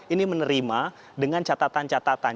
ini menerima dengan catatan catatan